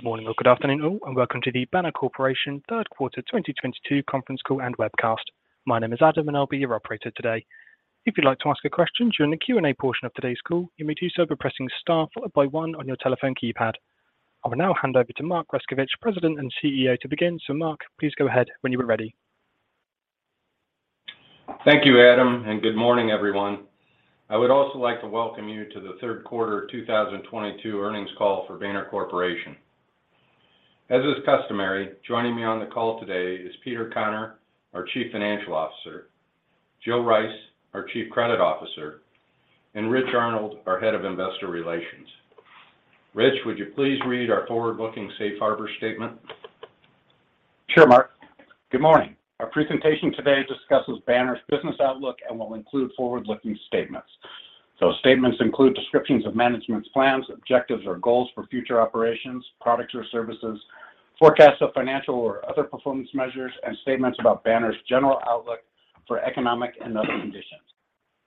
Good morning or good afternoon all, and Welcome to the Banner Corporation Q3 2022 Conference Call and Webcast. My name is Adam, and I'll be your operator today. If you'd like to ask a question during the Q&A portion of today's call, you may do so by pressing star followed by one on your telephone keypad. I will now hand over to Mark Grescovich, President and CEO, to begin. Mark, please go ahead when you are ready. Thank you, Adam, and good morning, everyone. I would also like to welcome you to the Q3 2022 earnings call for Banner Corporation. As is customary, joining me on the call today is Peter Conner, our Chief Financial Officer, Jill Rice, our Chief Credit Officer, and Rich Arnold, our Head of Investor Relations. Rich, would you please read our forward-looking safe harbor statement? Sure, Mark. Good morning. Our presentation today discusses Banner's business outlook and will include forward-looking statements. Those statements include descriptions of management's plans, objectives, or goals for future operations, products or services, forecasts of financial or other performance measures, and statements about Banner's general outlook for economic and other conditions.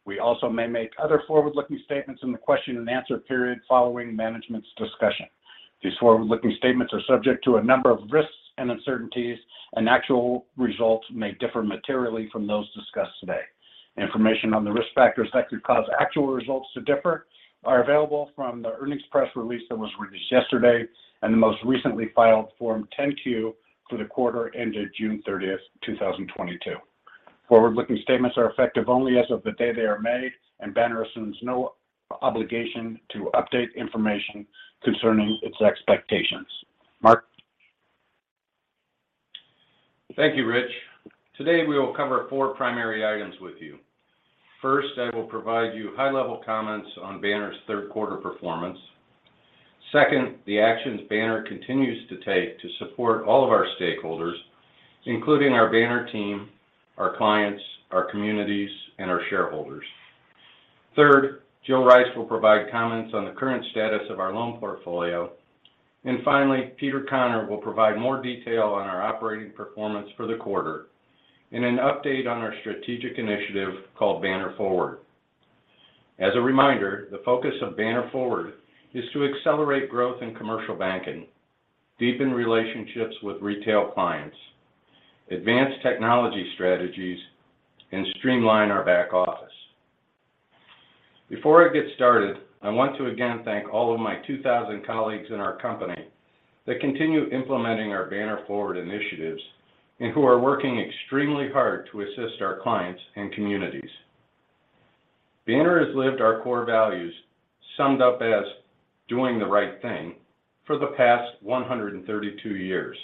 We also may make other forward-looking statements in the question and answer period following management's discussion. These forward-looking statements are subject to a number of risks and uncertainties, and actual results may differ materially from those discussed today. Information on the risk factors that could cause actual results to differ are available from the earnings press release that was released yesterday and the most recently filed Form 10-Q for the quarter ended June 30, 2022. Forward-looking statements are effective only as of the day they are made, and Banner assumes no obligation to update information concerning its expectations. Mark? Thank you, Rich. Today, we will cover four primary items with you. 1st, I will provide you high-level comments on Banner's Q3 performance. 2nd, the actions Banner continues to take to support all of our stakeholders, including our Banner team, our clients, our communities, and our shareholders. 3rd, Jill Rice will provide comments on the current status of our loan portfolio. Finally, Peter Conner will provide more detail on our operating performance for the quarter and an update on our strategic initiative called Banner Forward. As a reminder, the focus of Banner Forward is to accelerate growth in commercial banking, deepen relationships with retail clients, advance technology strategies, and streamline our back office. Before I get started, I want to again thank all of my 2,000 colleagues in our company that continue implementing our Banner Forward initiatives and who are working extremely hard to assist our clients and communities. Banner has lived our core values, summed up as doing the right thing, for the past 132 years.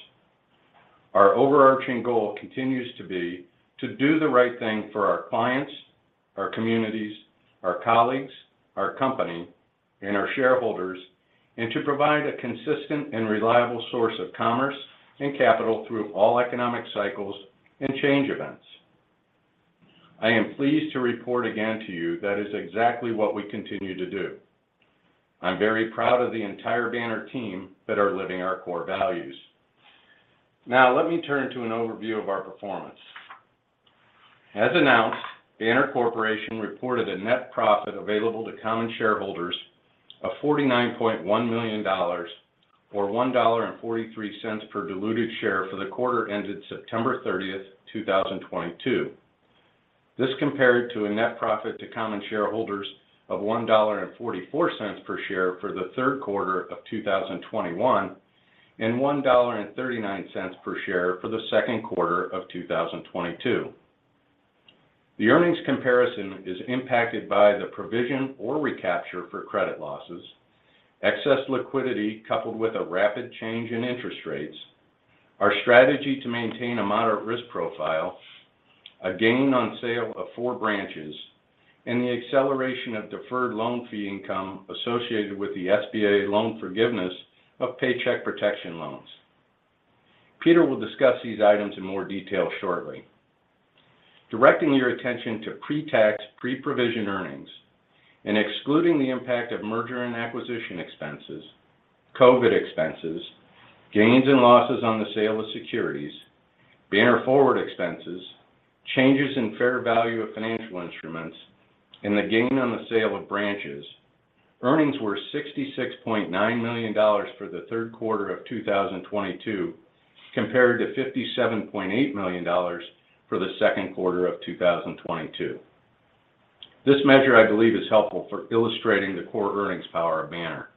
Our overarching goal continues to be to do the right thing for our clients, our communities, our colleagues, our company, and our shareholders, and to provide a consistent and reliable source of commerce and capital through all economic cycles and change events. I am pleased to report again to you that is exactly what we continue to do. I'm very proud of the entire Banner team that are living our core values. Now let me turn to an overview of our performance. As announced, Banner Corporation reported a net profit available to common shareholders of $49.1 million or $1.43 per diluted share for the quarter ended September 30, 2022. This compared to a net profit to common shareholders of $1.44 per share for the Q3 of 2021 and $1.39 per share for the Q2 of 2022. The earnings comparison is impacted by the provision or recapture for credit losses, excess liquidity coupled with a rapid change in interest rates, our strategy to maintain a moderate risk profile, a gain on sale of four branches, and the acceleration of deferred loan fee income associated with the SBA loan forgiveness of Paycheck Protection loans. Peter will discuss these items in more detail shortly. Directing your attention to pre-tax, pre-provision earnings and excluding the impact of merger and acquisition expenses, COVID expenses, gains and losses on the sale of securities, Banner Forward expenses, changes in fair value of financial instruments, and the gain on the sale of branches, earnings were $66.9 million for the Q3 of 2022 compared to $57.8 million for the Q2 of 2022. This measure, I believe, is helpful for illustrating the core earnings power of Banner.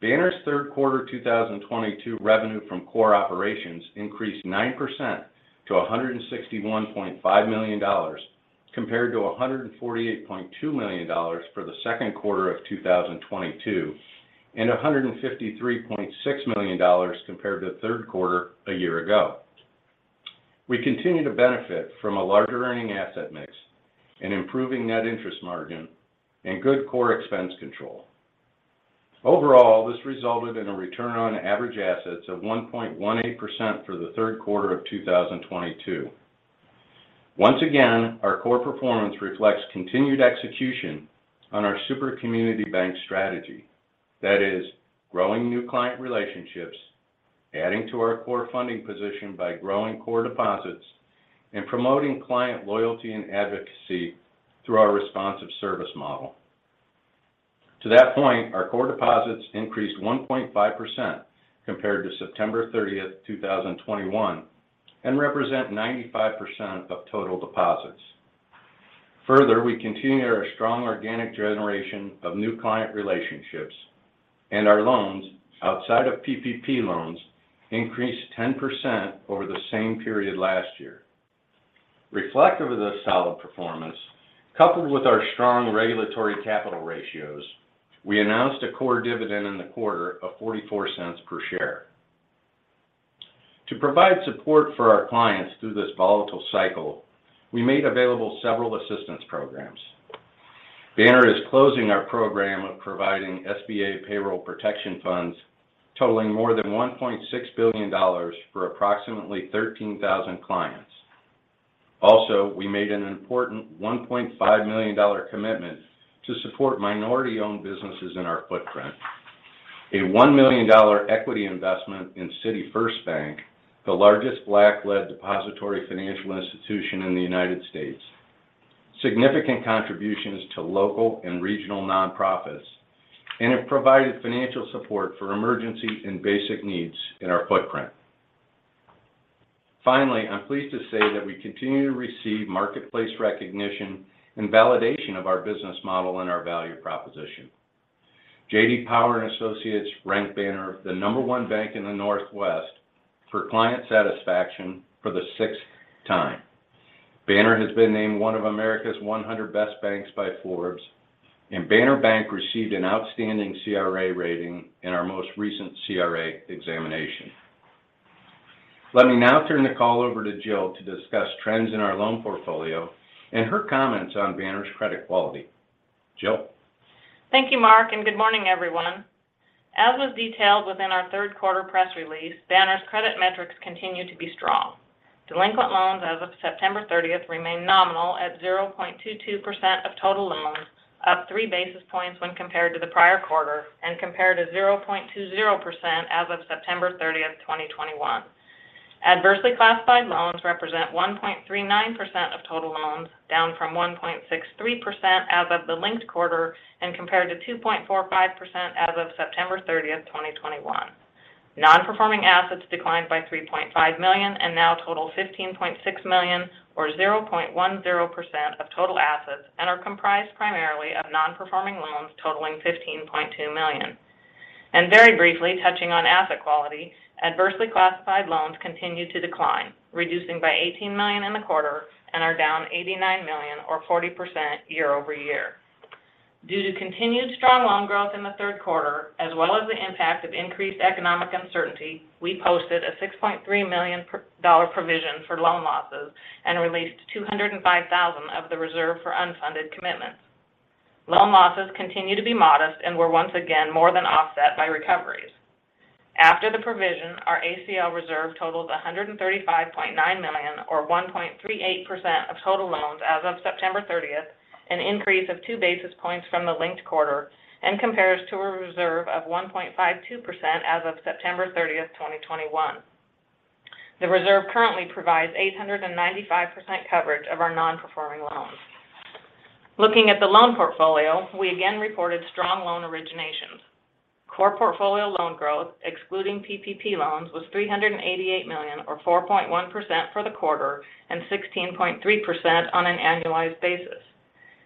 Banner's Q3 2022 revenue from core operations increased 9% to $161.5 million compared to $148.2 million for the Q2 of 2022 and $153.6 million compared to the Q3 a year ago. We continue to benefit from a larger earning asset mix, an improving net interest margin, and good core expense control. Overall, this resulted in a return on average assets of 1.18% for the Q3 of 2022. Once again, our core performance reflects continued execution on our super community bank strategy. That is growing new client relationships. Adding to our core funding position by growing core deposits and promoting client loyalty and advocacy through our responsive service model. To that point, our core deposits increased 1.5% compared to September thirtieth, 2021 and represent 95% of total deposits. Further, we continue our strong organic generation of new client relationships and our loans outside of PPP loans increased 10% over the same period last year. Reflective of this solid performance, coupled with our strong regulatory capital ratios, we announced a core dividend in the quarter of $0.44 per share. To provide support for our clients through this volatile cycle, we made available several assistance programs. Banner is closing our program of providing SBA Paycheck Protection Program funds totaling more than $1.6 billion for approximately 13,000 clients. Also, we made an important $1.5 million commitment to support minority-owned businesses in our footprint. A $1 million equity investment in City First Bank, the largest Black-led depository institution in the United States. Significant contributions to local and regional nonprofits, and it provided financial support for emergency and basic needs in our footprint. Finally, I'm pleased to say that we continue to receive marketplace recognition and validation of our business model and our value proposition. J.D. Power and Associates ranked Banner the number one bank in the Northwest for client satisfaction for the sixth time. Banner has been named one of America's 100 best banks by Forbes, and Banner Bank received an outstanding CRA rating in our most recent CRA examination. Let me now turn the call over to Jill to discuss trends in our loan portfolio and her comments on Banner's credit quality. Jill. Thank you, Mark, and good morning, everyone. As was detailed within our Q3 press release, Banner's credit metrics continue to be strong. Delinquent loans as of September 30th remain nominal at 0.22% of total loans, up three basis points when compared to the prior quarter and compared to 0.20% as of September 30th, 2021. Adversely classified loans represent 1.39% of total loans, down from 1.63% as of the linked quarter and compared to 2.45% as of September 30th, 2021. Non-performing assets declined by $3.5 million and now total $15.6 million or 0.10% of total assets and are comprised primarily of non-performing loans totaling $15.2 million. Very briefly touching on asset quality, adversely classified loans continued to decline, reducing by $18 million in the quarter and are down $89 million or 40% year-over-year. Due to continued strong loan growth in the Q3, as well as the impact of increased economic uncertainty, we posted a $6.3 million provision for loan losses and released $205,000 of the reserve for unfunded commitments. Loan losses continue to be modest and were once again more than offset by recoveries. After the provision, our ACL reserve totals $135.9 million or 1.38% of total loans as of September 30th, an increase of two basis points from the linked quarter, and compares to a reserve of 1.52% as of September 30th, 2021. The reserve currently provides 895% coverage of our non-performing loans. Looking at the loan portfolio, we again reported strong loan originations. Core portfolio loan growth, excluding PPP loans, was $388 million or 4.1% for the quarter and 16.3% on an annualized basis.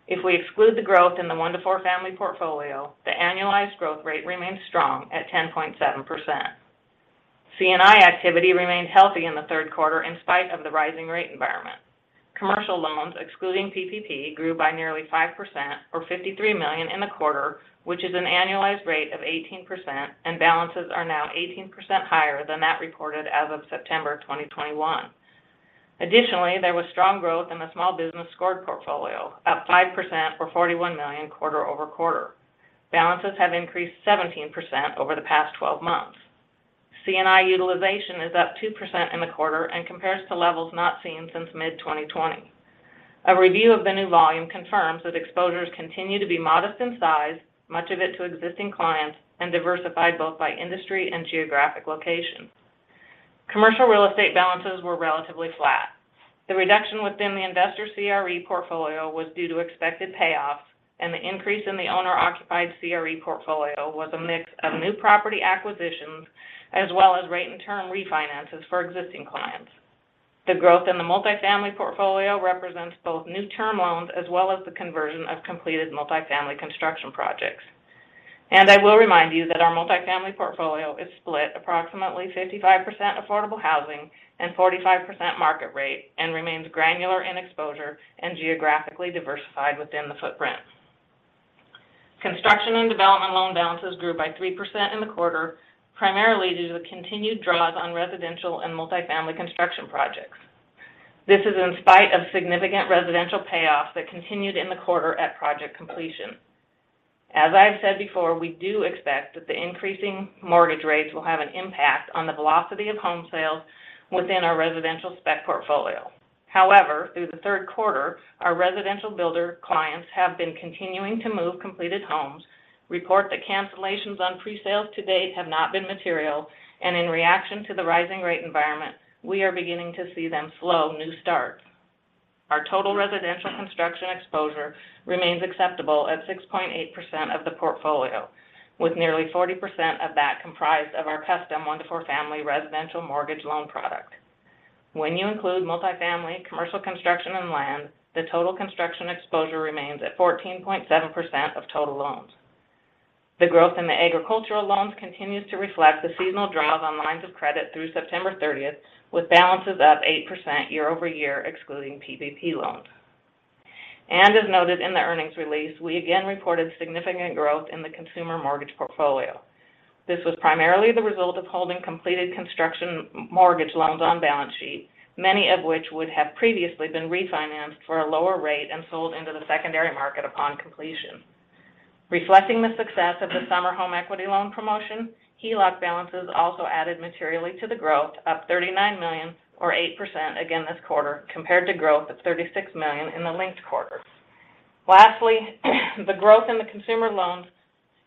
If we exclude the growth in the one to four family portfolio, the annualized growth rate remains strong at 10.7%. C&I activity remained healthy in the Q3 in spite of the rising rate environment. Commercial loans, excluding PPP, grew by nearly 5% or $53 million in the quarter, which is an annualized rate of 18%, and balances are now 18% higher than that reported as of September 2021. Additionally, there was strong growth in the small business scored portfolio, up 5% or $41 million quarter-over-quarter. Balances have increased 17% over the past 12 months. C&I utilization is up 2% in the quarter and compares to levels not seen since mid-2020. A review of the new volume confirms that exposures continue to be modest in size, much of it to existing clients, and diversified both by industry and geographic location. Commercial real estate balances were relatively flat. The reduction within the investor CRE portfolio was due to expected payoffs, and the increase in the owner-occupied CRE portfolio was a mix of new property acquisitions as well as rate and term refinances for existing clients. The growth in the multifamily portfolio represents both new term loans as well as the conversion of completed multifamily construction projects. I will remind you that our multifamily portfolio is split approximately 55% affordable housing and 45% market rate and remains granular in exposure and geographically diversified within the footprint. Construction and development loan balances grew by 3% in the quarter, primarily due to the continued draws on residential and multifamily construction projects. This is in spite of significant residential payoffs that continued in the quarter at project completion. As I have said before, we do expect that the increasing mortgage rates will have an impact on the velocity of home sales within our residential spec portfolio. However, through the Q3, our residential builder clients have been continuing to move completed homes, report that cancellations on pre-sales to date have not been material, and in reaction to the rising rate environment, we are beginning to see them slow new starts. Our total residential construction exposure remains acceptable at 6.8% of the portfolio, with nearly 40% of that comprised of our custom one-to-four family residential mortgage loan product. When you include multifamily, commercial construction, and land, the total construction exposure remains at 14.7% of total loans. The growth in the agricultural loans continues to reflect the seasonal draws on lines of credit through September thirtieth, with balances up 8% year-over-year, excluding PPP loans. As noted in the earnings release, we again reported significant growth in the consumer mortgage portfolio. This was primarily the result of holding completed construction mortgage loans on balance sheet, many of which would have previously been refinanced for a lower rate and sold into the secondary market upon completion. Reflecting the success of the summer home equity loan promotion, HELOC balances also added materially to the growth, up $39 million or 8% again this quarter compared to growth of $36 million in the linked quarter. Lastly, the growth in the consumer loans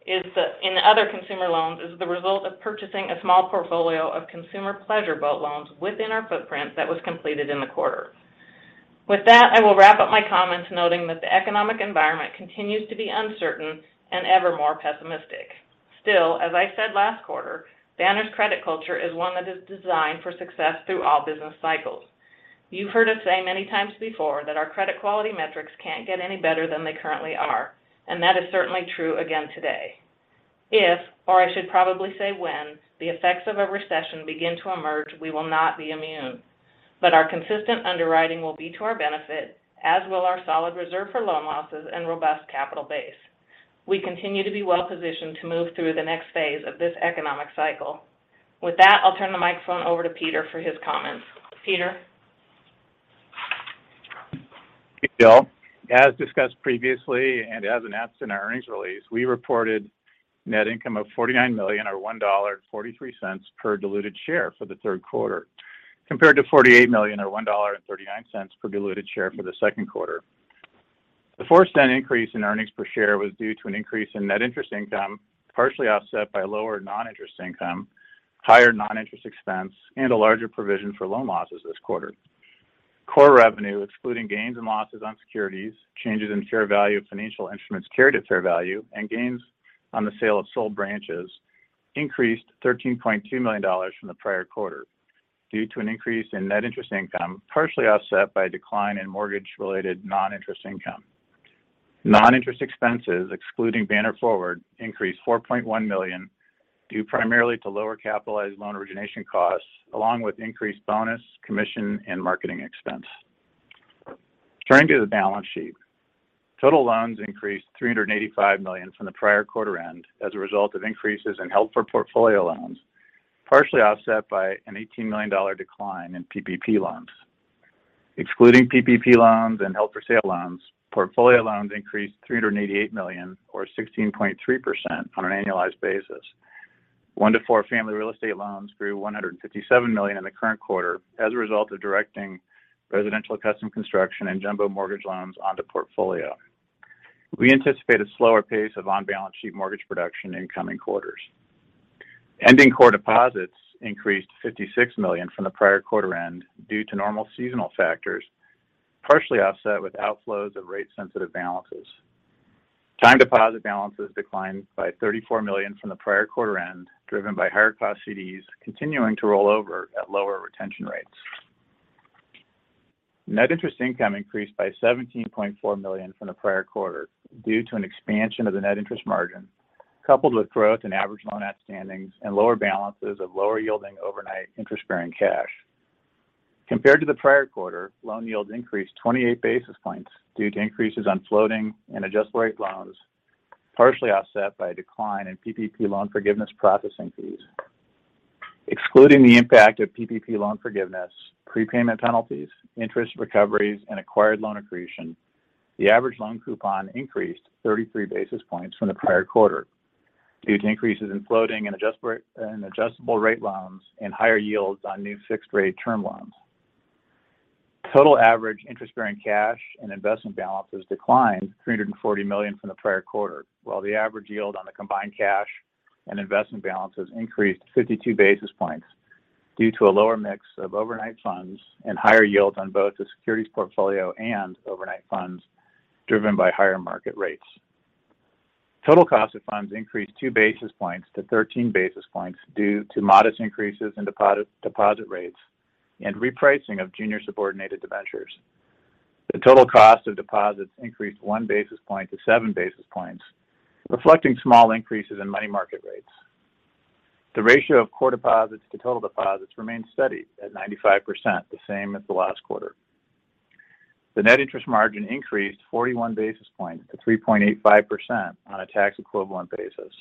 in other consumer loans is the result of purchasing a small portfolio of consumer pleasure boat loans within our footprint that was completed in the quarter. With that, I will wrap up my comments noting that the economic environment continues to be uncertain and ever more pessimistic. Still, as I said last quarter, Banner's credit culture is one that is designed for success through all business cycles. You've heard us say many times before that our credit quality metrics can't get any better than they currently are, and that is certainly true again today. If, or I should probably say when, the effects of a recession begin to emerge, we will not be immune. Our consistent underwriting will be to our benefit, as will our solid reserve for loan losses and robust capital base. We continue to be well-positioned to move through the next phase of this economic cycle. With that, I'll turn the microphone over to Peter for his comments. Peter? Thank you, Jill. As discussed previously and as announced in our earnings release, we reported net income of $49 million or $1.43 per diluted share for the Q3, compared to $48 million or $1.39 per diluted share for the Q2. The $0.4 increase in earnings per share was due to an increase in net interest income, partially offset by lower non-interest income, higher non-interest expense, and a larger provision for loan losses this quarter. Core revenue, excluding gains and losses on securities, changes in fair value of financial instruments carried at fair value, and gains on the sale of sold branches increased $13.2 million from the prior quarter due to an increase in net interest income, partially offset by a decline in mortgage-related non-interest income. Non-interest expenses, excluding Banner Forward, increased $4.1 million due primarily to lower capitalized loan origination costs along with increased bonus, commission, and marketing expense. Turning to the balance sheet. Total loans increased $385 million from the prior quarter end as a result of increases in held-for-portfolio loans, partially offset by an $18 million decline in PPP loans. Excluding PPP loans and held-for-sale loans, portfolio loans increased $388 million or 16.3% on an annualized basis. One-to-four family real estate loans grew $157 million in the current quarter as a result of directing residential custom construction and jumbo mortgage loans onto portfolio. We anticipate a slower pace of on-balance sheet mortgage production in coming quarters. Ending core deposits increased $56 million from the prior quarter end due to normal seasonal factors, partially offset with outflows of rate sensitive balances. Time deposit balances declined by $34 million from the prior quarter end, driven by higher cost CDs continuing to roll over at lower retention rates. Net interest income increased by $17.4 million from the prior quarter due to an expansion of the net interest margin, coupled with growth in average loan outstandings and lower balances of lower yielding overnight interest-bearing cash. Compared to the prior quarter, loan yields increased 28 basis points due to increases on floating and adjustable rate loans, partially offset by a decline in PPP loan forgiveness processing fees. Excluding the impact of PPP loan forgiveness, prepayment penalties, interest recoveries, and acquired loan accretion, the average loan coupon increased 33 basis points from the prior quarter due to increases in floating and adjustable-rate loans and higher yields on new fixed-rate term loans. Total average interest-bearing cash and investment balances declined $340 million from the prior quarter, while the average yield on the combined cash and investment balances increased 52 basis points due to a lower mix of overnight funds and higher yields on both the securities portfolio and overnight funds driven by higher market rates. Total cost of funds increased two basis points to 13 basis points due to modest increases in deposit rates and repricing of junior subordinated debentures. The total cost of deposits increased one basis point to seven basis points, reflecting small increases in money market rates. The ratio of core deposits to total deposits remains steady at 95%, the same as the last quarter. The net interest margin increased 41 basis points to 3.85% on a tax-equivalent basis.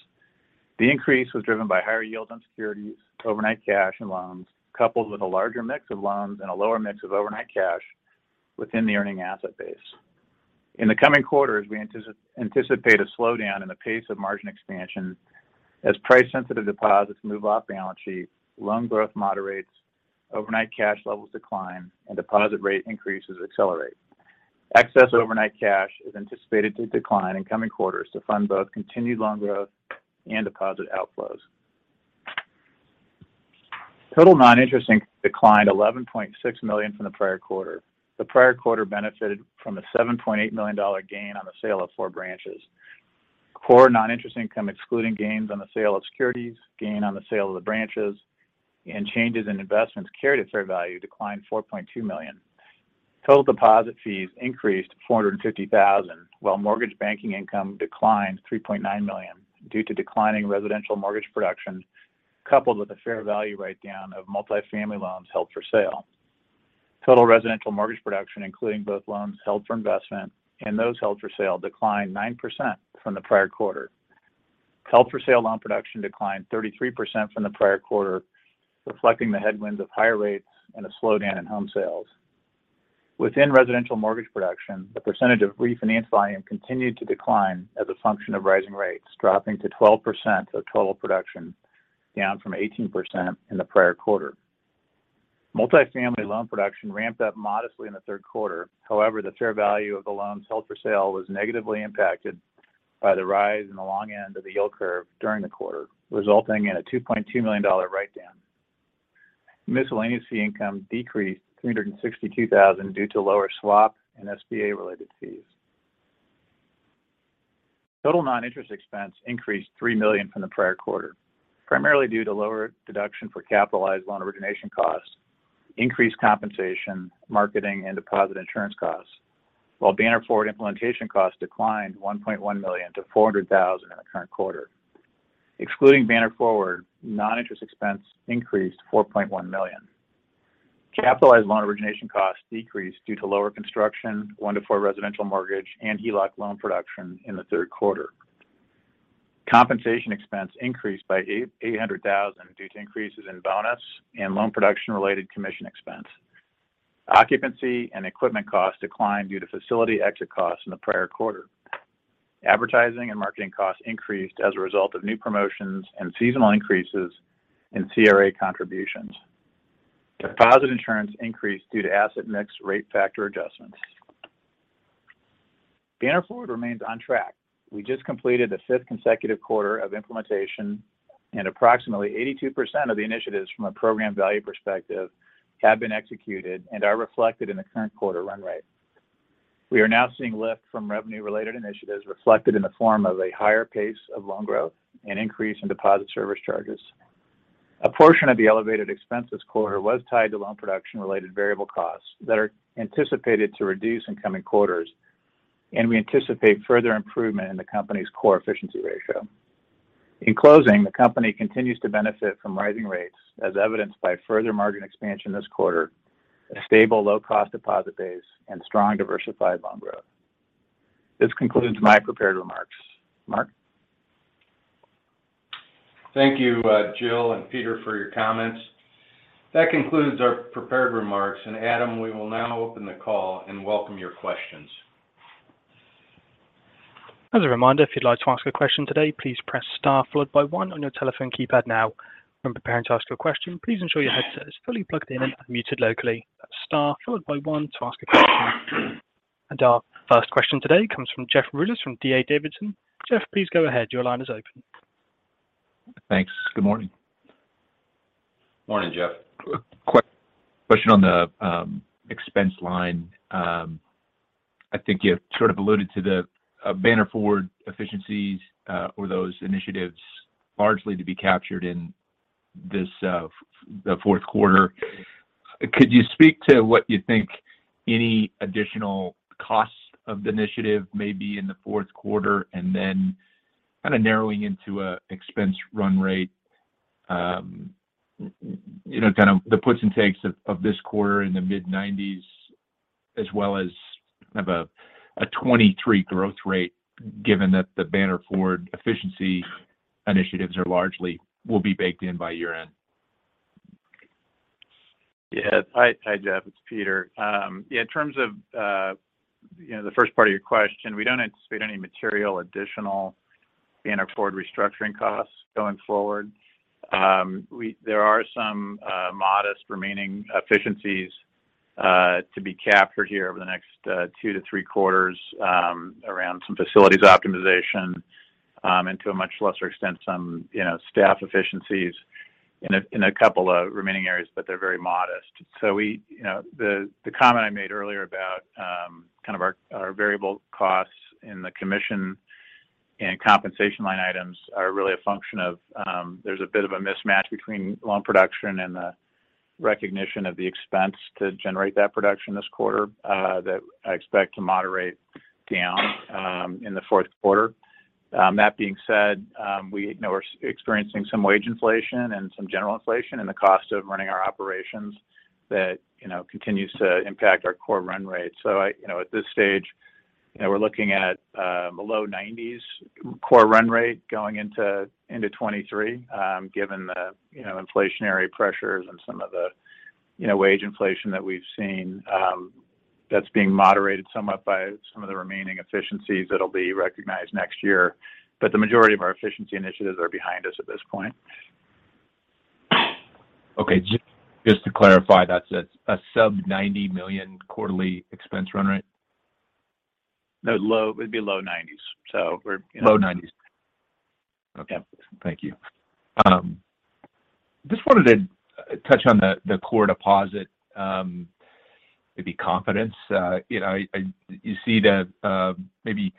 The increase was driven by higher yields on securities to overnight cash and loans, coupled with a larger mix of loans and a lower mix of overnight cash within the earning asset base. In the coming quarters, we anticipate a slowdown in the pace of margin expansion as price-sensitive deposits move off balance sheet, loan growth moderates, overnight cash levels decline, and deposit rate increases accelerate. Excess overnight cash is anticipated to decline in coming quarters to fund both continued loan growth and deposit outflows. Total non-interest income declined $11.6 million from the prior quarter. The prior quarter benefited from a $7.8 million gain on the sale of four branches. Core non-interest income excluding gains on the sale of securities, gain on the sale of the branches, and changes in investments carried at fair value declined $4.2 million. Total deposit fees increased $450 thousand, while mortgage banking income declined $3.9 million due to declining residential mortgage production coupled with a fair value write-down of multifamily loans held for sale. Total residential mortgage production, including both loans held for investment and those held for sale, declined 9% from the prior quarter. Held-for-sale loan production declined 33% from the prior quarter, reflecting the headwinds of higher rates and a slowdown in home sales. Within residential mortgage production, the percentage of refinance volume continued to decline as a function of rising rates, dropping to 12% of total production, down from 18% in the prior quarter. Multifamily loan production ramped up modestly in the Q3. However, the fair value of the loans held for sale was negatively impacted by the rise in the long end of the yield curve during the quarter, resulting in a $2.2 million write-down. Miscellaneous fee income decreased $362,000 due to lower swap and SBA-related fees. Total non-interest expense increased $3 million from the prior quarter, primarily due to lower deduction for capitalized loan origination costs, increased compensation, marketing, and deposit insurance costs. While Banner Forward implementation costs declined $1.1 million to $400,000 in the current quarter. Excluding Banner Forward, non-interest expense increased $4.1 million. Capitalized loan origination costs decreased due to lower construction, one to four residential mortgage, and HELOC loan production in the Q3. Compensation expense increased by $800,000 due to increases in bonus and loan production-related commission expense. Occupancy and equipment costs declined due to facility exit costs in the prior quarter. Advertising and marketing costs increased as a result of new promotions and seasonal increases in CRA contributions. Deposit insurance increased due to asset mix rate factor adjustments. Banner Forward remains on track. We just completed the fifth consecutive quarter of implementation and approximately 82% of the initiatives from a program value perspective have been executed and are reflected in the current quarter run rate. We are now seeing lift from revenue-related initiatives reflected in the form of a higher pace of loan growth and increase in deposit service charges. A portion of the elevated expenses quarter was tied to loan production-related variable costs that are anticipated to reduce in coming quarters, and we anticipate further improvement in the company's core efficiency ratio. In closing, the company continues to benefit from rising rates as evidenced by further margin expansion this quarter, a stable low-cost deposit base, and strong diversified loan growth. This concludes my prepared remarks. Mark? Thank you, Jill and Peter, for your comments. That concludes our prepared remarks. Adam, we will now open the call and welcome your questions. Our 1st question today comes from Jeff Rulis from D.A. Davidson. Jeff, please go ahead. Your line is open. Thanks. Good morning. Morning, Jeff. Question on the expense line. I think you sort of alluded to the Banner Forward efficiencies or those initiatives largely to be captured in this, the Q4. Could you speak to what you think any additional costs of the initiative may be in the Q4? Kind of narrowing into an expense run rate, you know, kind of the puts and takes of this quarter in the mid-nineties, as well as kind of a 2023 growth rate given that the Banner Forward efficiency initiatives largely will be baked in by year-end. Yes. Hi, Jeff. It's Peter. In terms of the 1st part of your question, we don't anticipate any material additional Banner Forward restructuring costs going forward. There are some modest remaining efficiencies to be captured here over the next Q2-Q3 around some facilities optimization and to a much lesser extent, some you know, staff efficiencies in a couple of remaining areas, but they're very modest. You know, the comment I made earlier about kind of our variable costs in the commission and compensation line items are really a function of there's a bit of a mismatch between loan production and the recognition of the expense to generate that production this quarter that I expect to moderate down in the Q4. That being said, you know, we're experiencing some wage inflation and some general inflation in the cost of running our operations that, you know, continues to impact our core run rate. You know, at this stage, you know, we're looking at a low 90s core run rate going into 2023, given the, you know, inflationary pressures and some of the, you know, wage inflation that we've seen, that's being moderated somewhat by some of the remaining efficiencies that'll be recognized next year. The majority of our efficiency initiatives are behind us at this point. Okay. Just to clarify, that's a sub-$90 million quarterly expense run rate? No, it'd be low 90s. We're, you know. Low nineties. Okay. Thank you. Just wanted to touch on the core deposit, maybe confidence. You know, you see maybe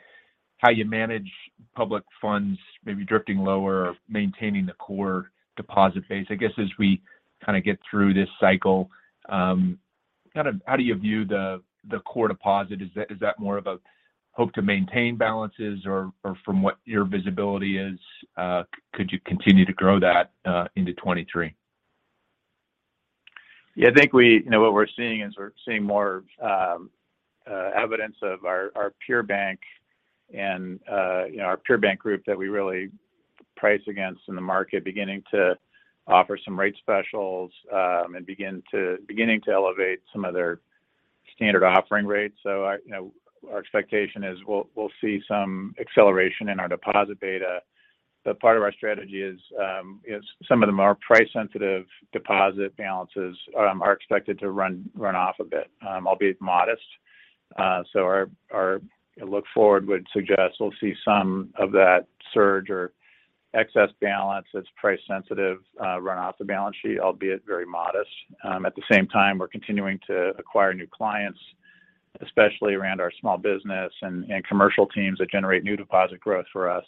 how you manage public funds maybe drifting lower or maintaining the core deposit base. I guess as we kind of get through this cycle, kind of how do you view the core deposit? Is that more of a hope to maintain balances or from what your visibility is, could you continue to grow that into 2023? Yeah, I think. You know, what we're seeing is more evidence of our peer bank and you know, our peer bank group that we really price against in the market beginning to offer some rate specials and beginning to elevate some of their standard offering rates. I you know, our expectation is we'll see some acceleration in our deposit beta. Part of our strategy is some of the more price-sensitive deposit balances are expected to run off a bit, albeit modest. Our look forward would suggest we'll see some of that surge or excess balance that's price-sensitive run off the balance sheet, albeit very modest. At the same time, we're continuing to acquire new clients, especially around our small business and commercial teams that generate new deposit growth for us,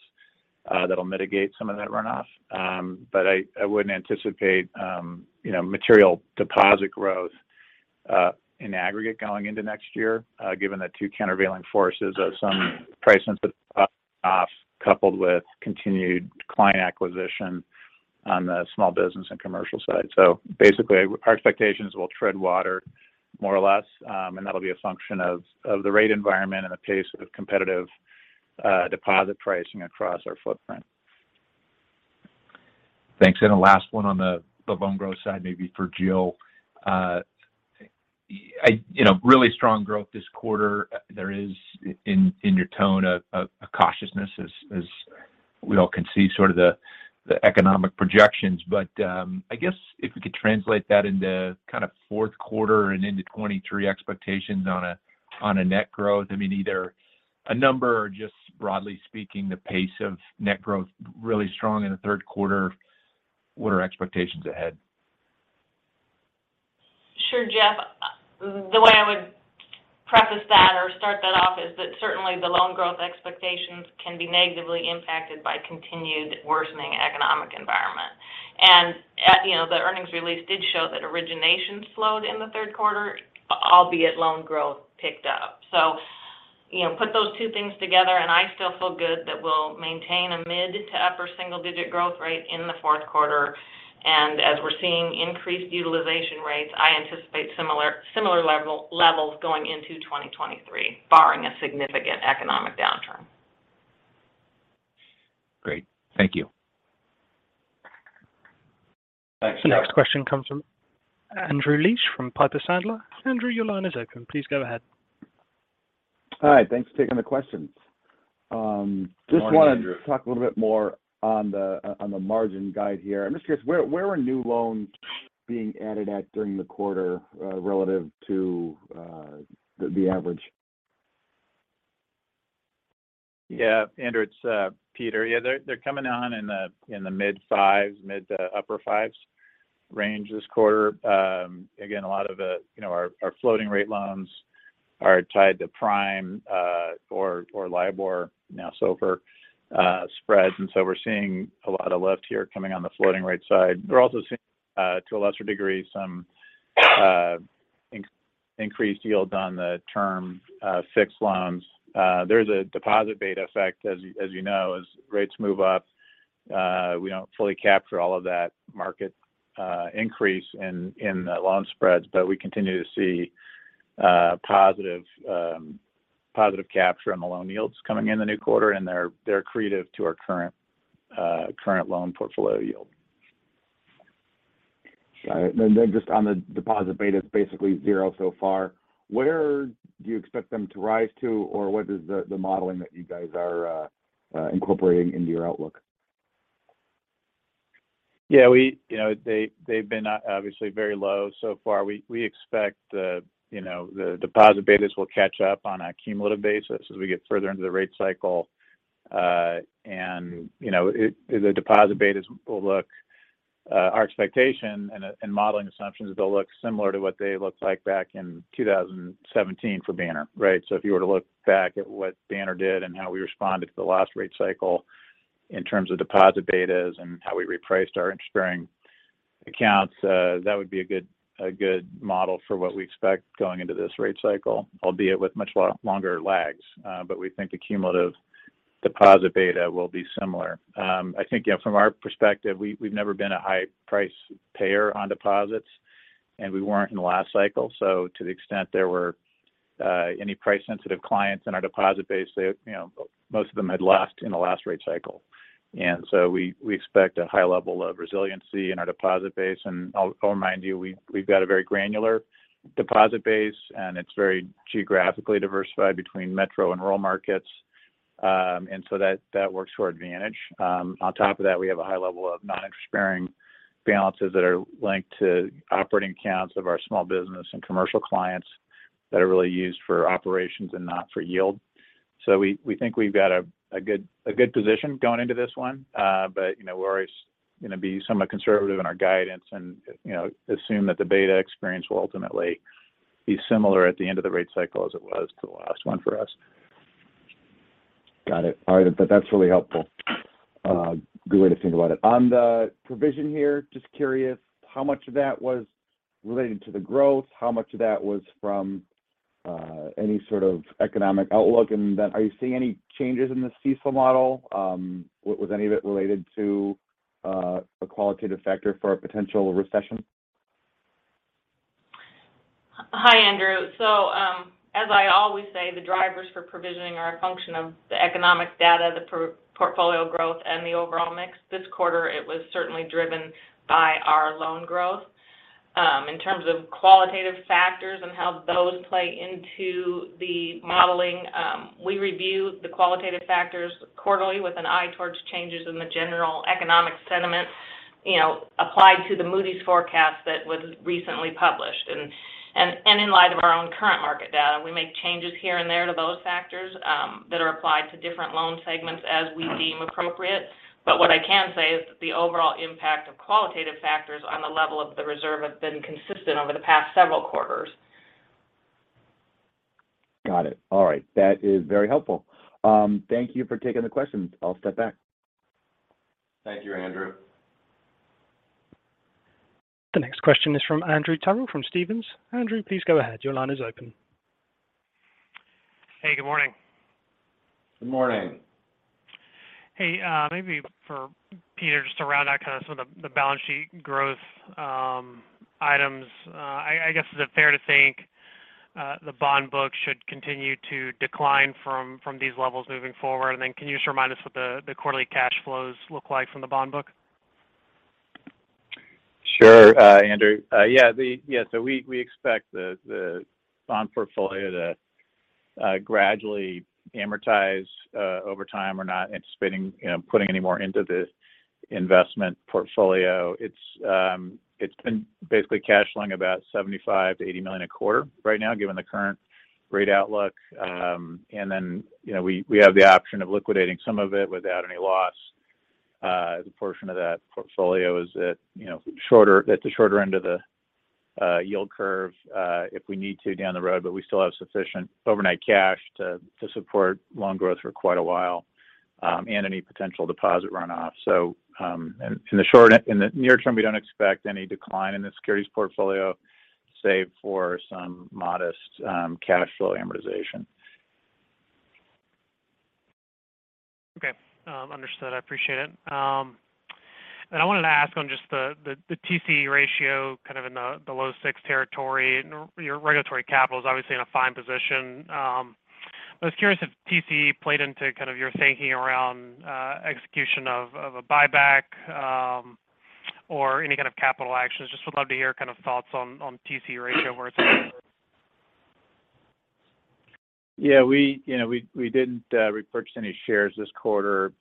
that'll mitigate some of that runoff. I wouldn't anticipate, you know, material deposit growth in aggregate going into next year, given the two countervailing forces of some price sensitive coupled with continued client acquisition on the small business and commercial side. Basically, our expectations will tread water more or less, and that'll be a function of the rate environment and the pace of competitive deposit pricing across our footprint. Thanks. The last one on the loan growth side maybe for Jill. You know, really strong growth this quarter. There is in your tone a cautiousness as we all can see sort of the economic projections. But I guess if we could translate that into kind of Q4 and into 2023 expectations on a net growth. I mean, either a number or just broadly speaking the pace of net growth really strong in the Q3, what are expectations ahead? Sure, Jeff. The way I would preface that or start that off is that certainly the loan growth expectations can be negatively impacted by continued worsening economic environment. You know, the earnings release did show that origination slowed in the Q3, albeit loan growth picked up. You know, put those two things together, and I still feel good that we'll maintain a mid- to upper-single-digit% growth rate in the Q4. As we're seeing increased utilization rates, I anticipate similar levels going into 2023, barring a significant economic downturn. Great. Thank you. Thanks, Jeff. The next question comes from Andrew Liesch from Piper Sandler. Andrew, your line is open. Please go ahead. Hi. Thanks for taking the questions. Morning, Andrew. Just wanted to talk a little bit more on the margin guide here. I'm just curious, where are new loans being added at during the quarter, relative to the average? Yeah. Andrew, it's Peter. Yeah. They're coming on in the mid-fives, mid to upper fives range this quarter. Again, a lot of the, you know, our floating rate loans are tied to prime, or LIBOR, now SOFR, spreads. We're seeing a lot of lift here coming on the floating rate side. We're also seeing, to a lesser degree, some increased yields on the term fixed loans. There's a deposit beta effect, as you know. As rates move up, we don't fully capture all of that market increase in the loan spreads. We continue to see positive capture on the loan yields coming in the new quarter, and they're accretive to our current loan portfolio yield. All right. Just on the deposit betas, basically zero so far. Where do you expect them to rise to or what is the modeling that you guys are incorporating into your outlook? Yeah. You know, they've been obviously very low so far. We expect, you know, the deposit betas will catch up on a cumulative basis as we get further into the rate cycle. You know, the deposit betas will look like our expectation and modeling assumptions, they'll look similar to what they looked like back in 2017 for Banner, right? If you were to look back at what Banner did and how we responded to the last rate cycle in terms of deposit betas and how we repriced our interest-bearing accounts, that would be a good model for what we expect going into this rate cycle, albeit with much longer lags. We think the cumulative deposit beta will be similar. I think, yeah, from our perspective, we've never been a high price payer on deposits, and we weren't in the last cycle. To the extent there were any price sensitive clients in our deposit base, they have, you know, most of them left in the last rate cycle. We expect a high level of resiliency in our deposit base. I'll remind you, we've got a very granular deposit base, and it's very geographically diversified between metro and rural markets. That works to our advantage. On top of that, we have a high level of non-interest-bearing balances that are linked to operating accounts of our small business and commercial clients that are really used for operations and not for yield. We think we've got a good position going into this one. you know, we're always, you know, be somewhat conservative in our guidance and, you know, assume that the beta experience will ultimately be similar at the end of the rate cycle as it was to the last one for us. Got it. All right. That's really helpful. Good way to think about it. On the provision here, just curious how much of that was related to the growth? How much of that was from any sort of economic outlook? Are you seeing any changes in the CECL model? Was any of it related to a qualitative factor for a potential recession? Hi, Andrew. As I always say, the drivers for provisioning are a function of the economic data, the portfolio growth, and the overall mix. This quarter, it was certainly driven by our loan growth. In terms of qualitative factors and how those play into the modeling, we review the qualitative factors quarterly with an eye towards changes in the general economic sentiment, you know, applied to the Moody's forecast that was recently published. In light of our own current market data, we make changes here and there to those factors that are applied to different loan segments as we deem appropriate. What I can say is the overall impact of qualitative factors on the level of the reserve has been consistent over the past several quarters. Got it. All right. That is very helpful. Thank you for taking the questions. I'll step back. Thank you, Andrew. The next question is from Andrew Terrell from Stephens. Andrew, please go ahead. Your line is open. Hey, good morning. Good morning. Hey, maybe for Peter, just to round out kind of some of the balance sheet growth, items. I guess, is it fair to think the bond book should continue to decline from these levels moving forward? Can you just remind us what the quarterly cash flows look like from the bond book? Sure, Andrew. Yeah, so we expect the bond portfolio to gradually amortize over time. We're not anticipating, you know, putting any more into the investment portfolio. It's been basically cash flowing about $75-$80 million a quarter right now, given the current rate outlook. And then, you know, we have the option of liquidating some of it without any loss. The portion of that portfolio is at, you know, the shorter end of the yield curve, if we need to down the road. But we still have sufficient overnight cash to support loan growth for quite a while, and any potential deposit runoff. In the near term, we don't expect any decline in the securities portfolio, save for some modest cash flow amortization. Okay. Understood. I appreciate it. I wanted to ask on just the TCE ratio, kind of in the low-6% territory. Your regulatory capital is obviously in a fine position. I was curious if TCE played into kind of your thinking around execution of a buyback or any kind of capital actions. Just would love to hear kind of thoughts on TCE ratio where it's Yeah. We, you know, we didn't repurchase any shares this quarter,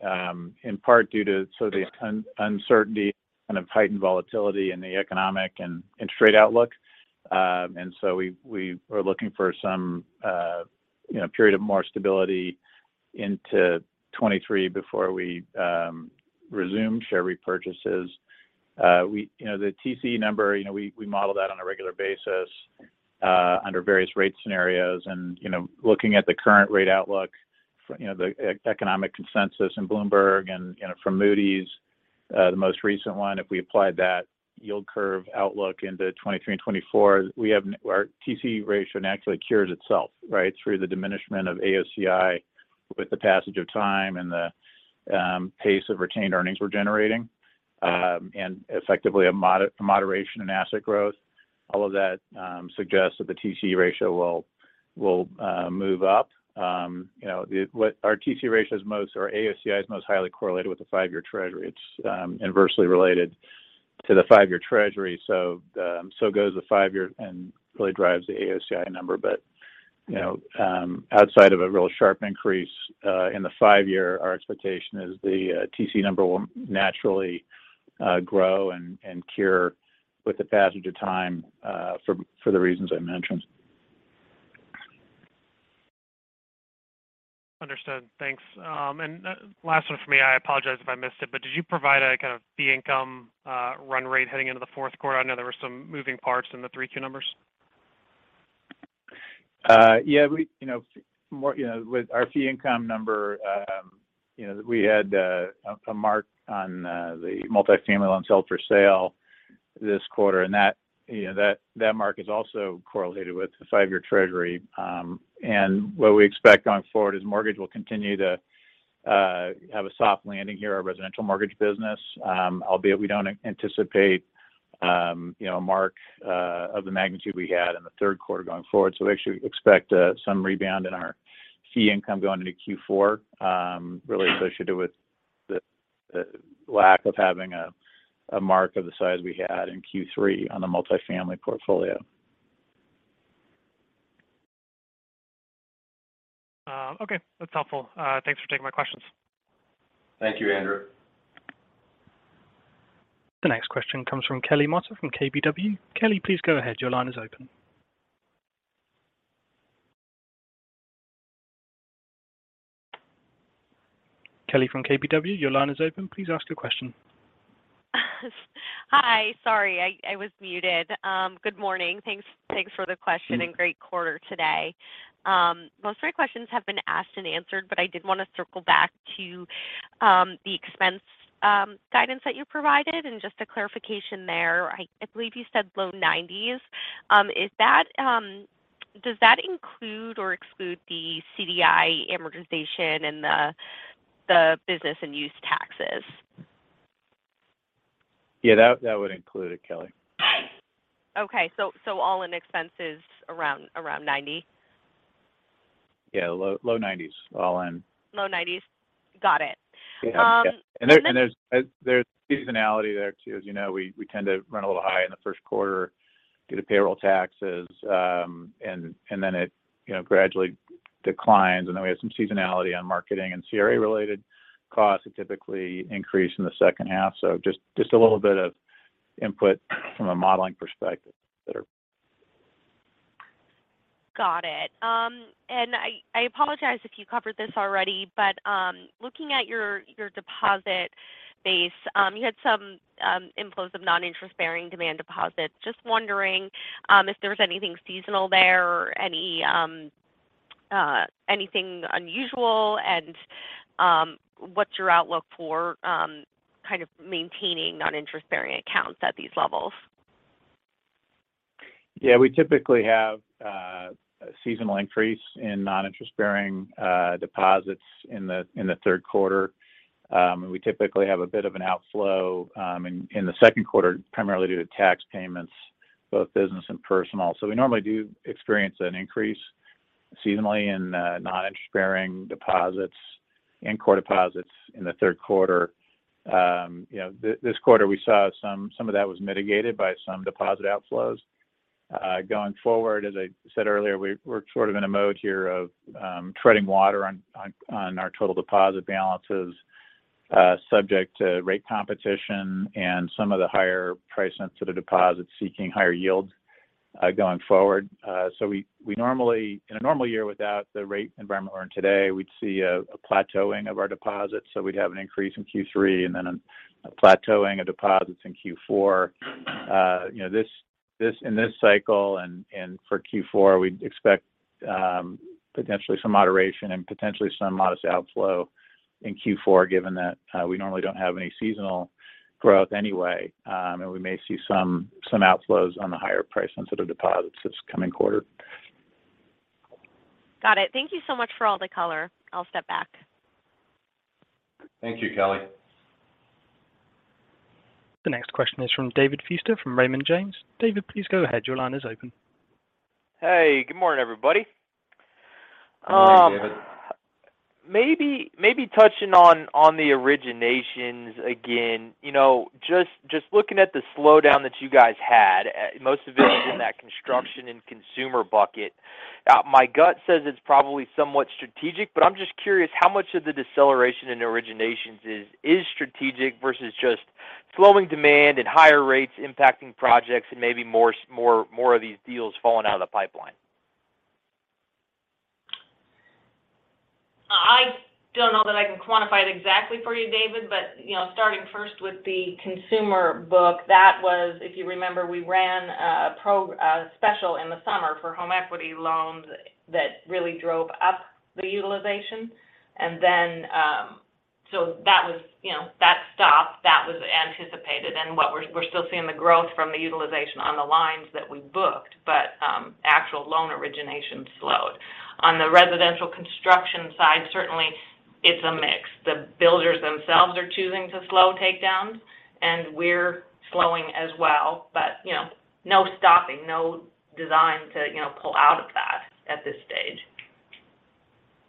in part due to some of the uncertainty and the heightened volatility in the economic and trade outlook. We are looking for some, you know, period of more stability into 2023 before we resume share repurchases. You know, the TCE number, you know, we model that on a regular basis, under various rate scenarios. You know, looking at the current rate outlook, you know, the economic consensus in Bloomberg and, you know, from Moody's, the most recent one. If we applied that yield curve outlook into 2023 and 2024, we have our TCE ratio naturally cures itself, right, through the diminishment of AOCI with the passage of time and the pace of retained earnings we're generating, and effectively a moderation in asset growth. All of that suggests that the TCE ratio will move up. You know, what our TCE ratio is most, or AOCI is most highly correlated with the five-year Treasury. It's inversely related to the five-year Treasury. So goes the five-year and really drives the AOCI number. You know, outside of a real sharp increase in the five-year, our expectation is the TCE number will naturally grow and cure with the passage of time for the reasons I mentioned. Understood. Thanks. Last one for me. I apologize if I missed it, but did you provide a kind of fee income run rate heading into the Q4? I know there were some moving parts in the 3Q numbers. Yeah. You know, with our fee income number, we had a mark on the multifamily loans held for sale this quarter, and that mark is also correlated with the five-year Treasury. What we expect going forward is mortgage will continue to have a soft landing here, our residential mortgage business. Albeit we don't anticipate a mark of the magnitude we had in the Q3 going forward. We actually expect some rebound in our fee income going into Q4, really associated with the lack of having a mark of the size we had in Q3 on the multifamily portfolio. Okay. That's helpful. Thanks for taking my questions. Thank you, Andrew. The next question comes from Kelly Motta from KBW. Kelly, please go ahead. Your line is open. Kelly from KBW, your line is open. Please ask your question. Hi. Sorry, I was muted. Good morning. Thanks for the question. Mm-hmm Great quarter today. Most of my questions have been asked and answered, but I did want to circle back to the expense guidance that you provided and just a clarification there. I believe you said low nineties. Does that include or exclude the CDI amortization and the business and use taxes? Yeah, that would include it, Kelly. Okay. All in expenses around $90? Yeah. Low, low 90s all in. Low 90s. Got it. Yeah. Um, and then- There's seasonality there too. As you know, we tend to run a little high in the Q1 due to payroll taxes. It, you know, gradually declines. We have some seasonality on marketing and CRA-related costs that typically increase in the second half. Just a little bit of input from a modeling perspective that are Got it. I apologize if you covered this already, but looking at your deposit base, you had some inflows of non-interest-bearing demand deposits. Just wondering if there was anything seasonal there or anything unusual. What's your outlook for kind of maintaining non-interest-bearing accounts at these levels? Yeah, we typically have a seasonal increase in non-interest-bearing deposits in the Q3. We typically have a bit of an outflow in the Q2, primarily due to tax payments, both business and personal. We normally do experience an increase seasonally in non-interest-bearing deposits and core deposits in the Q3. You know, this quarter we saw some of that was mitigated by some deposit outflows. Going forward, as I said earlier, we're sort of in a mode here of treading water on our total deposit balances, subject to rate competition and some of the higher price sensitive deposits seeking higher yields, going forward. We normally, in a normal year, without the rate environment we're in today, we'd see a plateauing of our deposits. We'd have an increase in Q3 and then a plateauing of deposits in Q4. In this cycle and for Q4, we'd expect potentially some moderation and potentially some modest outflow in Q4, given that we normally don't have any seasonal growth anyway. We may see some outflows on the higher price sensitive deposits this coming quarter. Got it. Thank you so much for all the color. I'll step back. Thank you, Kelly. The next question is from David Feaster from Raymond James. David, please go ahead. Your line is open. Hey, good morning, everybody. Good morning, David. Maybe touching on the originations again. You know, just looking at the slowdown that you guys had, most of it in that construction and consumer bucket. My gut says it's probably somewhat strategic, but I'm just curious how much of the deceleration in originations is strategic versus just slowing demand and higher rates impacting projects and maybe more of these deals falling out of the pipeline? I don't know that I can quantify it exactly for you, David. You know, starting 1st with the consumer book, that was, if you remember, we ran a special in the summer for home equity loans that really drove up the utilization. Then, that was, you know, that stopped. That was anticipated. What we're still seeing the growth from the utilization on the lines that we booked, but actual loan origination slowed. On the residential construction side, certainly it's a mix. The builders themselves are choosing to slow takedowns, and we're slowing as well. You know, no stopping, no design to, you know, pull out of that at this stage.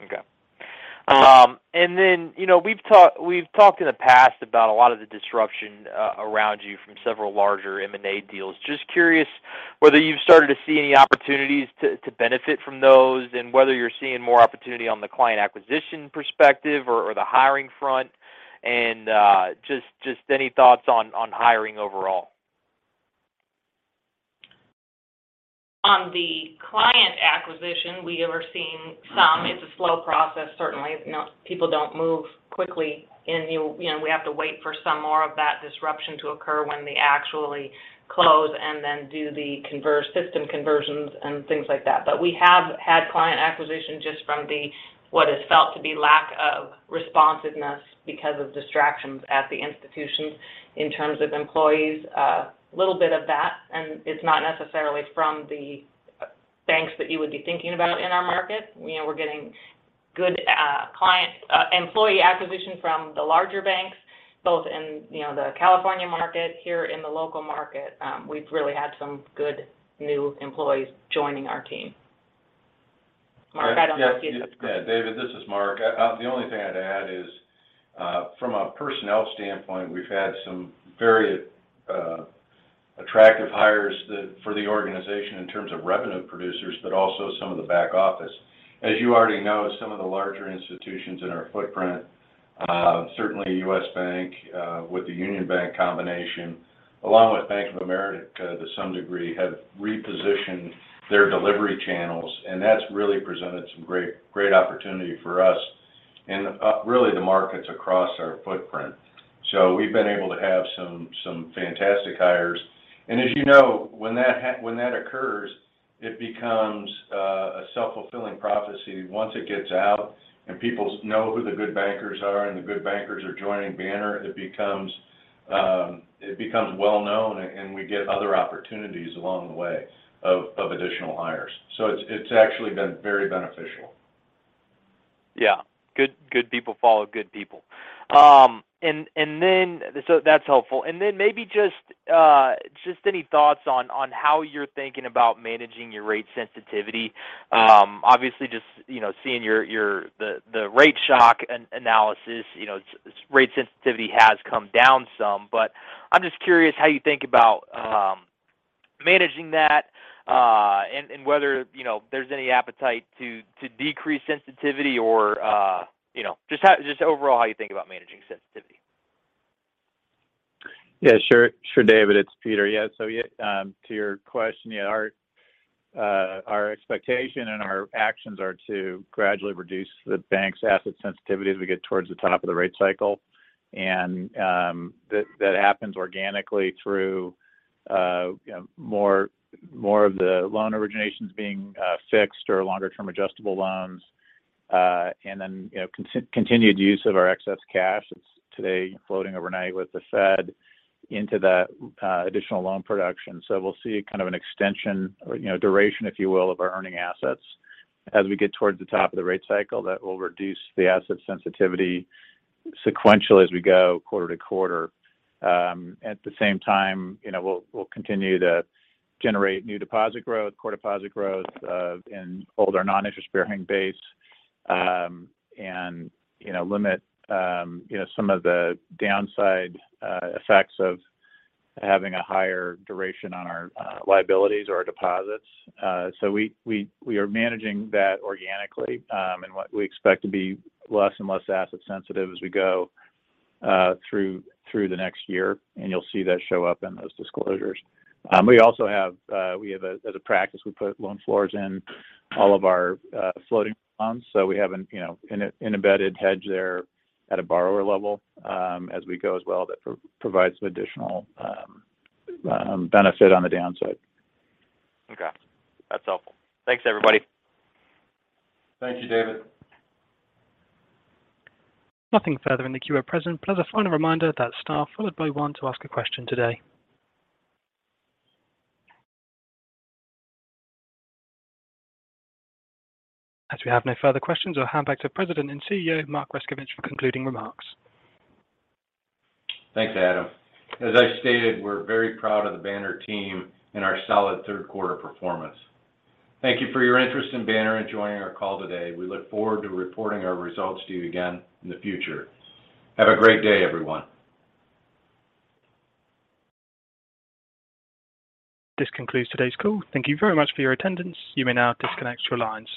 Okay. You know, we've talked in the past about a lot of the disruption around you from several larger M&A deals. Just curious whether you've started to see any opportunities to benefit from those and whether you're seeing more opportunity on the client acquisition perspective or the hiring front. Just any thoughts on hiring overall. On the client acquisition, we are seeing some. It's a slow process certainly. You know, people don't move quickly. You know, we have to wait for some more of that disruption to occur when they actually close and then do the system conversions and things like that. We have had client acquisition just from the, what is felt to be lack of responsiveness because of distractions at the institutions in terms of employees. A little bit of that, and it's not necessarily from the Banks that you would be thinking about in our market. You know, we're getting good employee acquisition from the larger banks, both in, you know, the California market, here in the local market. We've really had some good new employees joining our team. Mark, I don't know if you have- Yes. Yeah, David, this is Mark. The only thing I'd add is from a personnel standpoint, we've had some very attractive hires for the organization in terms of revenue producers, but also some of the back office. As you already know, some of the larger institutions in our footprint, certainly U.S. Bank with the Union Bank combination, along with Bank of America to some degree, have repositioned their delivery channels, and that's really presented some great opportunity for us in really the markets across our footprint. We've been able to have some fantastic hires. As you know, when that occurs, it becomes a self-fulfilling prophecy. Once it gets out and people know who the good bankers are and the good bankers are joining Banner, it becomes well-known and we get other opportunities along the way of additional hires. It's actually been very beneficial. Yeah. Good people follow good people. That's helpful. Maybe just any thoughts on how you're thinking about managing your rate sensitivity. Obviously, you know, seeing your the rate shock analysis, you know, it's rate sensitivity has come down some. But I'm just curious how you think about managing that, and whether, you know, there's any appetite to decrease sensitivity or, you know. Just overall how you think about managing sensitivity. Yeah, sure. Sure, David, it's Peter. Yeah. Yeah, to your question, yeah, our expectation and our actions are to gradually reduce the bank's asset sensitivity as we get towards the top of the rate cycle. That happens organically through, you know, more of the loan originations being fixed or longer term adjustable loans. You know, continued use of our excess cash that's today floating overnight with the Fed into the additional loan production. We'll see kind of an extension or, you know, duration, if you will, of our earning assets. As we get towards the top of the rate cycle, that will reduce the asset sensitivity sequentially as we go quarter to quarter. At the same time, you know, we'll continue to generate new deposit growth, core deposit growth, in our non-interest-bearing base, and, you know, limit some of the downside effects of having a higher duration on our liabilities or our deposits. We are managing that organically, and what we expect to be less and less asset sensitive as we go through the next year, and you'll see that show up in those disclosures. We also have a practice. We put loan floors in all of our floating loans, so we have an embedded hedge there at a borrower level as we go as well that provides some additional benefit on the downside. Okay. That's helpful. Thanks, everybody. Thank you, David. Nothing further in the queue at present. Please, a final reminder that star followed by one to ask a question today. As we have no further questions, I'll hand back to President and CEO, Mark Grescovich, for concluding remarks. Thanks, Adam. As I stated, we're very proud of the Banner team and our solid Q3 performance. Thank you for your interest in Banner and joining our call today. We look forward to reporting our results to you again in the future. Have a great day, everyone. This concludes today's call. Thank you very much for your attendance. You may now disconnect your lines.